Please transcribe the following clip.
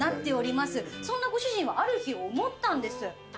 そんなご主人はある日思ったんです。